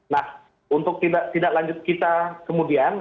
nah untuk tidak lanjut kita kemudian